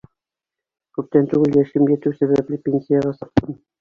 Күптән түгел, йәшем етеү сәбәпле, пенсияға сыҡтым.